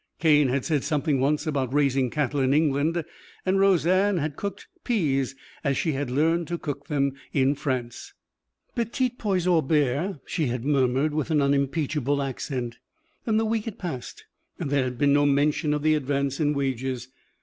Cane had said something once about raising cattle in England, and Roseanne had cooked peas as she had learned to cook them in France. "Petits pois au beurre," she had murmured with an unimpeachable accent. Then the week had passed and there had been no mention of the advance in wages.